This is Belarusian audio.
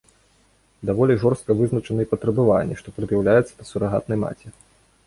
Даволі жорстка вызначаны і патрабаванні, што прад'яўляюцца да сурагатнай маці.